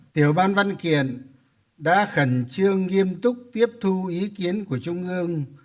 tiểu ban văn kiện đã khẩn trương nghiêm túc tiếp thu ý kiến của trung ương